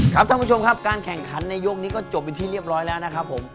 ท่านผู้ชมครับการแข่งขันในยกนี้ก็จบเป็นที่เรียบร้อยแล้วนะครับผม